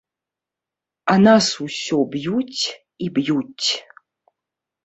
А нас усё б'юць і б'юць!